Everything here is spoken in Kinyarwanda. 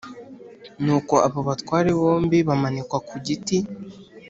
Nuko abo batware bombi bamanikwa ku giti